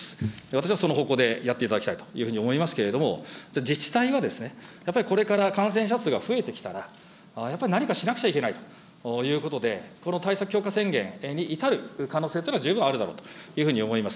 私はその方向でやっていただきたいというふうに思いますけれども、自治体はやっぱりこれから感染者数が増えてきたら、やっぱり何かしなくちゃいけないということで、この対策強化宣言に至る可能性というのは十分あるだろうと思います。